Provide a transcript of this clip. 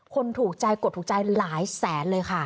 ถูกใจกดถูกใจหลายแสนเลยค่ะ